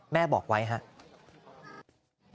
แม่บอกไว้ครับ